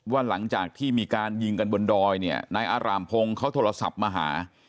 หลังจากที่มีการยิงกันบนดอยเนี่ยนายอารามพงศ์เขาโทรศัพท์มาหา